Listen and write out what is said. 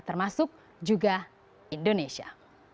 termasuk juga indonesia